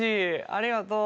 ありがとう。